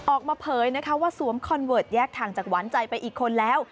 เผยนะคะว่าสวมคอนเวิร์ตแยกทางจากหวานใจไปอีกคนแล้ว